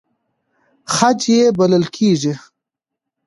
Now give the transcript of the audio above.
خج یې بلل کېږي.